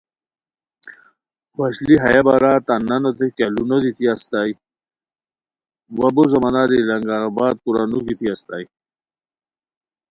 وشلی ہیہ بارا تان نانوتے کیہُ لو نو دیتی استائے وا بو زماناری لنگر آباد کورا نو گیتی استائے